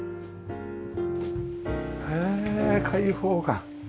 へえ開放感。